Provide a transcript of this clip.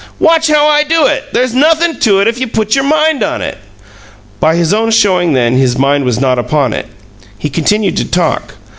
Watch how I do it. There's nothin' to it, if you put your mind on it." By his own showing then his mind was not upon it. He continued to talk.